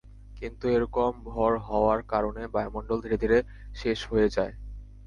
কিন্তু এর কম ভর হওয়ার কারণে বায়ুমন্ডল ধীরে ধীরে শেষ হয়ে যায়।